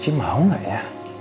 cik mau gak ya